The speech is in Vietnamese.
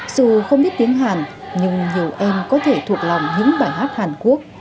dù không biết tiếng hàn nhưng nhiều em có thể thuộc lòng những bài hát hàn quốc